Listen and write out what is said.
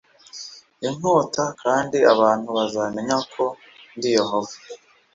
inkota kandi abantu bazamenya ko ndi Yehova